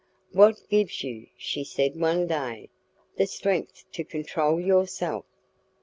"What gives you," she said one day, "the strength to control yourself?"